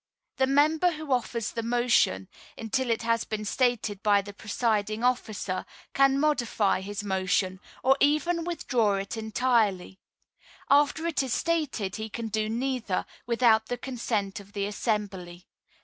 The member who offers the motion, until it has been stated by the presiding officer, can modify his motion, or even withdraw it entirely; after it is stated he can do neither, without the consent of the assembly.